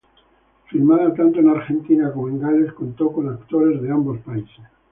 Filmada tanto en Argentina como en Gales, contó con actores de ambos países.